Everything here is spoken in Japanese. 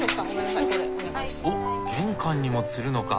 おっ玄関にもつるのか。